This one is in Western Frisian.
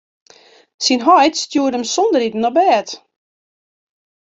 Syn heit stjoerde him sonder iten op bêd.